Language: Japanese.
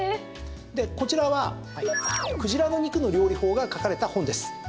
こちらは鯨の肉の料理法が書かれた本です。